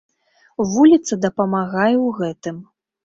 Вуліца дапамагае ў гэтым.